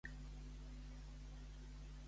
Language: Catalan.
Envia la meva localització a l'àvia fins a les set.